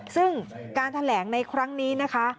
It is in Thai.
ซึ่งการแถลงในครั้งนี้นะคะ